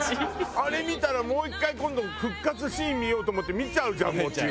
あれ見たらもう１回今度復活シーン見ようと思って見ちゃうじゃん餅。